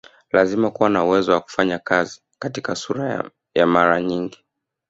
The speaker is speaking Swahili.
Lazima kuwa na uwezo wa kufanya kazi katika sura ya mara nyingi